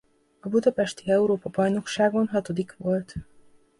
A budapesti Európa-bajnokságon hatodik volt.